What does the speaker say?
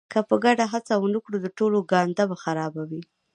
که په ګډه هڅه ونه کړو د ټولو ګانده به خرابه وي.